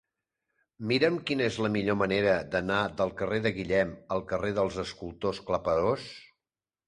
Mira'm quina és la millor manera d'anar del carrer de Guillem al carrer dels Escultors Claperós.